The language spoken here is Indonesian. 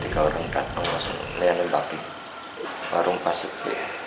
saya menembakkan barung pas itu